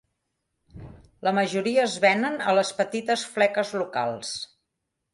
La majoria es venen a les petites fleques locals.